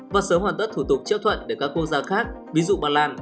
và sớm hoàn tất thủ tục chấp thuận để các quốc gia khác ví dụ bà lan